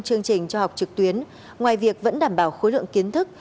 chương trình cho học trực tuyến ngoài việc vẫn đảm bảo khối lượng kiến thức